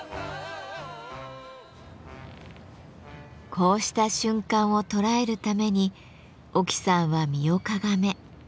こうした瞬間を捉えるために沖さんは身をかがめカメラを構えます。